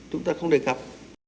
chúng ta không đề cập